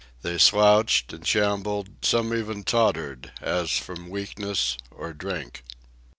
They slouched and shambled, some even tottered, as from weakness or drink.